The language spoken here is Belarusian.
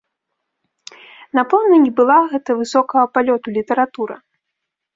Напэўна не была гэта высокага палёту літаратура.